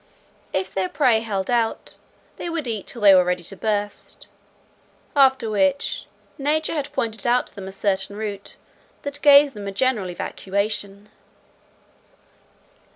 If their prey held out, they would eat till they were ready to burst; after which, nature had pointed out to them a certain root that gave them a general evacuation.